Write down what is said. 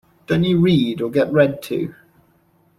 Don't you read or get read to?